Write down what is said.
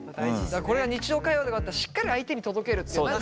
これが日常会話だったらしっかり相手に届けるって。